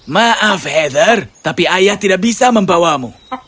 maaf heather tapi ayah tidak bisa membawamu